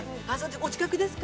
◆お近くですか。